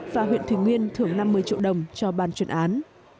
và huyện thủy nguyên thưởng năm mươi triệu đồng cho ban chuyển án